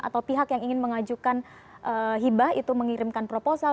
atau pihak yang ingin mengajukan hibah itu mengirimkan proposal